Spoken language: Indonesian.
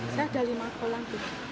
saya ada lima kolam